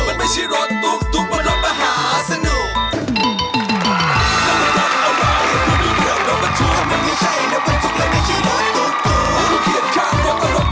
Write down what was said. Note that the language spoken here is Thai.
มันไม่ใช่ลดประหาสนุก